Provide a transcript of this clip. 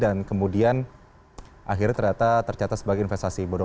dan kemudian akhirnya ternyata terlihat